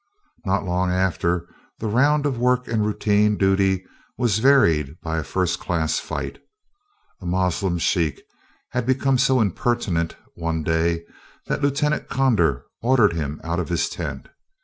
Not long after, the round of work and routine duty was varied by a first class fight. A Moslem sheikh had become so impertinent one day, that Lieut. Conder ordered him out of his tent.